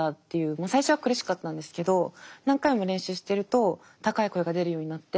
まあ最初は苦しかったんですけど何回も練習してると高い声が出るようになって